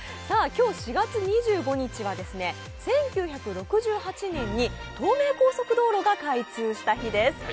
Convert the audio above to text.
今日４月２５日は１９６８年に東名高速道路が開通した日です。